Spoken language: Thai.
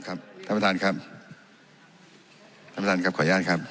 ท่านประธานครับท่านประธานครับขออนุญาตครับ